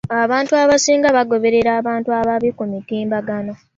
abantu abasinga bagoberera abantu ababbi ku mutimbagano.